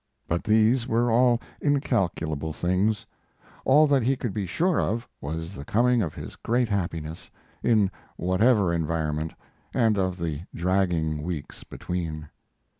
But these were all incalculable things. All that he could be sure of was the coming of his great happiness, in whatever environment, and of the dragging weeks between.